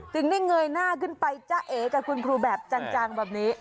ถึงได้เงยหน้าขึ้นไปจ้าเอกับคุณครูแบบจังแบบนี้